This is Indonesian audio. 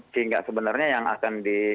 sehingga sebenarnya yang akan di